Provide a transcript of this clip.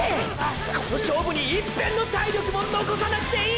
この勝負に一片の体力も残さなくていい！！